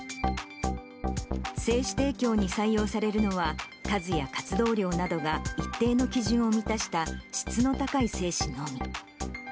精子提供に採用されるのは、数や活動量などが一定の基準を満たした質の高い精子のみ。